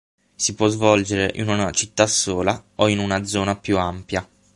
Si può svolgere in una città sola o in una zona più ampia.